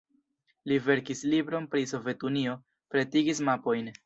Li verkis libron pri Sovetunio, pretigis mapojn.